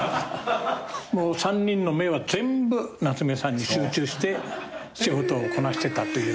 もう３人の目は全部夏目さんに集中して仕事をこなしてたというのが。